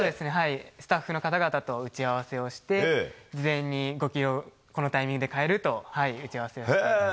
スタッフの方々と打ち合わせをして事前にこのタイミングで変えると。